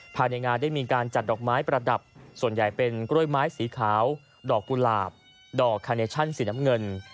ภายในงานได้มีการจัดดอกไม้ประดับส่วนใหญ่เป็นกล้วยไม้สีขาวดอกกุหลาบดอกคาเนชั่นสีน้ำเงิน